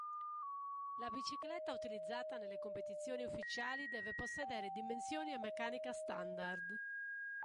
La bicicletta utilizzata nelle competizioni ufficiali deve possedere dimensioni e meccanica standard.